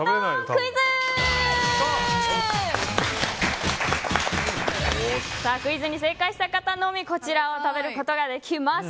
クイズに正解した方のみこちらを食べることができます。